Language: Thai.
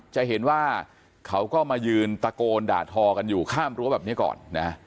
จะเห็นว่าเขาก็มายืนตะโกนด่าทอกันอยู่ข้ามรั้วแบบนี้ก่อนนะ